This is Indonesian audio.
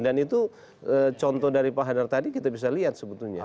dan itu contoh dari pak hadar tadi kita bisa lihat sebetulnya